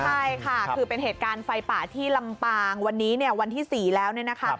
ใช่ค่ะคือเป็นเหตุการณ์ไฟป่าที่ลำปางวันนี้เนี่ยวันที่๔แล้วเนี่ยนะคะ